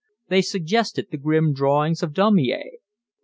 They suggested the grim drawings of Daumier.